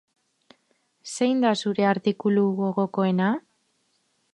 Zein da zure artikulu gogokoena?